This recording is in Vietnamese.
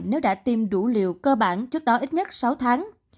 nếu đã tiêm đủ liều cơ bản trước đó ít nhất sáu tháng